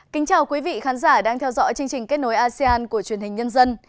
kính chào quý vị khán giả đang theo dõi chương trình kết nối asean của truyền hình nhân dân